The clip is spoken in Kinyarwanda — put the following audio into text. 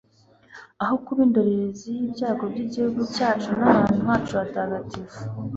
aho kuba indorerezi z'ibyago by'igihugu cyacu n'ahantu hacu hatagatifu